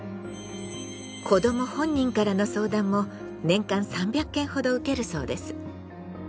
子ども本人からの相談も年間３００件ほど受けるそうです。